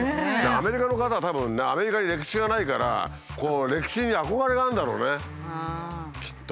アメリカの方はたぶんアメリカに歴史がないから歴史に憧れがあるんだろうねきっと。